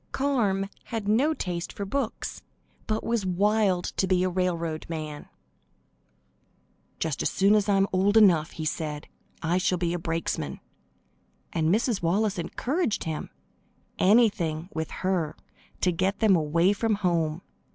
Carm had no taste for books, but was wild to be a railroad man. "Just as soon as I am old enough," he said, "I shall be a brakesman;" and Mrs. Wallace encouraged him. Anything, with her, to get them away from home.